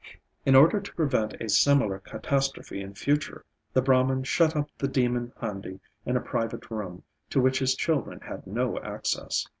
In order to prevent a similar catastrophe in future, the Brahman shut up the demon handi in a private room to which his children had no access.